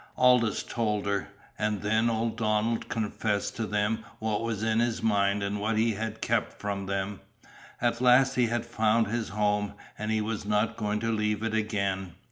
Aldous told her. And then old Donald confessed to them what was in his mind, and what he had kept from them. At last he had found his home, and he was not going to leave it again.